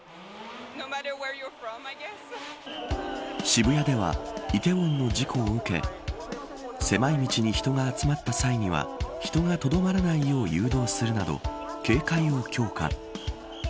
渋谷では梨泰院の事故を受け狭い道に人が集まった際には人がとどまらないよう誘導するなど警戒を強化。